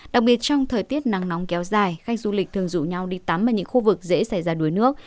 đặc biệt trong thời tiết nắng nóng kéo dài khách du lịch thường rủ nhau đi tắm ở những khu vực dễ xảy ra đuối nước